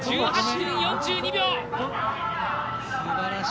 １８分４２秒。